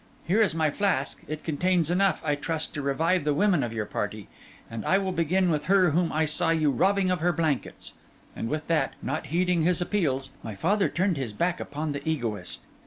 Here is my flask; it contains enough, I trust, to revive the women of your party; and I will begin with her whom I saw you robbing of her blankets.' And with that, not heeding his appeals, my father turned his back upon the egoist.